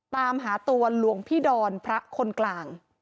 ตามหาตัวหลวงพี่ดอนพระคนกลาง